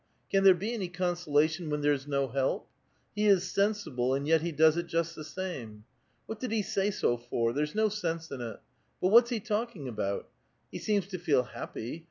Can there be any consolation when there's no help? He is sensible, and 3'et he does just the same. What did he say so for? There's no sense in it. But what's he talking about? He seems to feel happy.